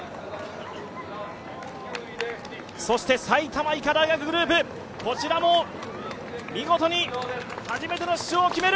埼玉医科大学グループも見事に初めての出場を決める。